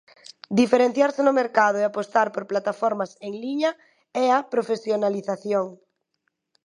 Diferenciarse no mercado e apostar por plataformas en liña e a profesionalización.